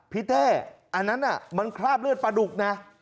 เต้ออันนั้นมันคราบเลือดปลาดุกนะ